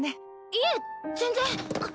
いえ全然。